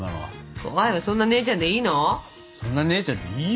怖いわそんな姉ちゃんでいいの？